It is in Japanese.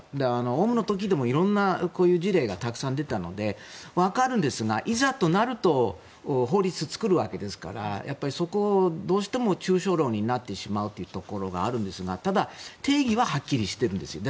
オウムの時でも色んなこういう事例がたくさん出たのでわかるんですが、いざとなると法律を作るわけですからそこをどうしても抽象論になってしまうというところがあるんですがただ、定義ははっきりしているんですよ。